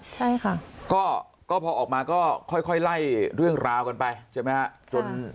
ใช่ค่ะก็พอออกมาก็ค่อยไล่เรื่องราวกันไปใช่ไหมฮะจน